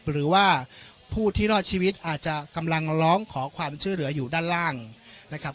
หรือว่าผู้ที่รอดชีวิตอาจจะกำลังร้องขอความช่วยเหลืออยู่ด้านล่างนะครับ